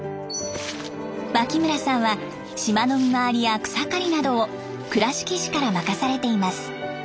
脇村さんは島の見回りや草刈りなどを倉敷市から任されています。